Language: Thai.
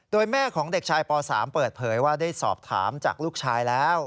โดยแม่ของเด็กชายป๓เปิดเผยว่าได้สอบถามจากลูกชายแล้ว